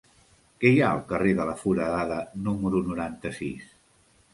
Què hi ha al carrer de la Foradada número noranta-sis?